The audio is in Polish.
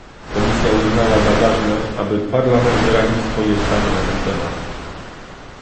Komisja uznała za ważne, aby Parlament wyraził swoje zdanie na ten temat